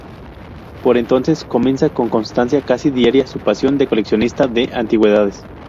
Por entonces comienza con constancia casi diaria, su pasión de coleccionista de antigüedades.